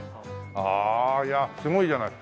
ああいやすごいじゃない。